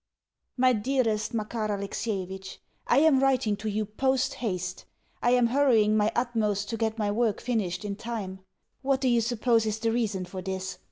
MY DEAREST MAKAR ALEXIEVITCH I am writing to you post haste I am hurrying my utmost to get my work finished in time. What do you suppose is the reason for this?